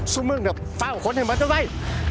สู้มึงเดี๋ยวฟ้าของคนให้มันจะไป